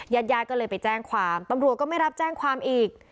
ญาติญาติก็เลยไปแจ้งความตำรวจก็ไม่รับแจ้งความอีก